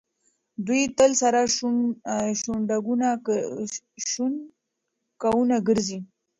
دوی تل سره شونډکونه ګرځي.